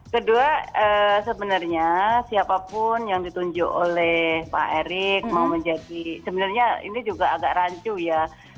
kedua sebenarnya siapapun yang ditunjuk oleh pak erick mau menjadi sebenarnya ini juga agak rancu ya